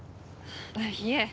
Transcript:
いえ